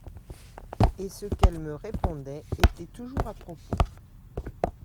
Et ce qu'elle me répondait était toujours à propos.